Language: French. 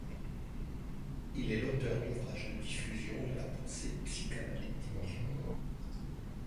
Il est l'auteur d'ouvrages de diffusion de la pensée psychanalytique.